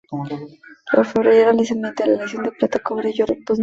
La orfebrería se realiza mediante la aleación de plata, cobre y oro.